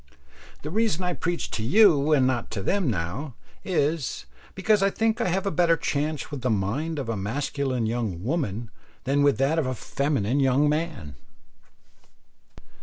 The reason I preach to you and not to them now, is, because I think I have a better chance with the mind of a masculine young woman than with that of a feminine young man.